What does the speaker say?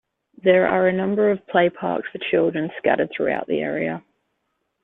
There are a number of play parks for children scattered throughout the area.